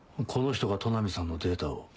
この人が都波さんのデータを？